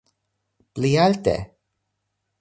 Pli alte!